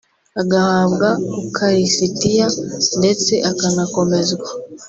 agahabwa ukarisitiya ndetse akanakomezwa